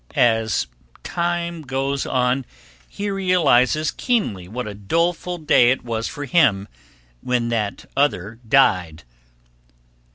As time goes on, he realises keenly what a doleful day it was for him when that other died.